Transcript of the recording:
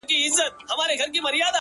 • گوره اوښكي به در تـــوى كـــــــــړم؛